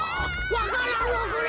わか蘭をくれ！